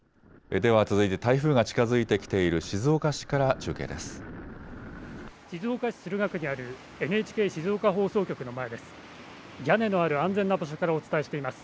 では続いて台風が近づいてきている静岡市から中継です。